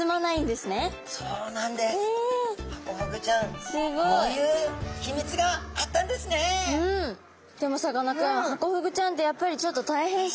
でもさかなクンハコフグちゃんってやっぱりちょっと大変そうですよね。